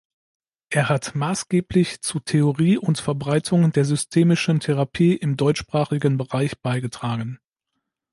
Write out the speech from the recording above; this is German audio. Er hat maßgeblich zu Theorie und Verbreitung der systemischen Therapie im deutschsprachigen Bereich beigetragen.